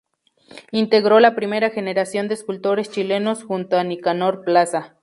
Integró la primera generación de escultores chilenos, junto a Nicanor Plaza.